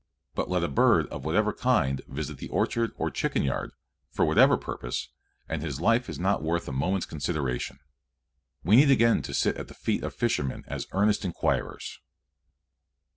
But let a bird of whatever kind visit the orchard or chicken yard, for whatever purpose, and his life is not worth a moment's consideration. We need again to sit at the feet of fishermen as earnest inquirers.